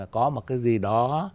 có một cái gì đó